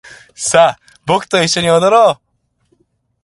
さあ僕と一緒に踊ろう